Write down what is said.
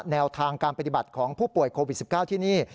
แนวทางการปฏิบัติของผู้ป่วยโควิด๑๙ที่นี่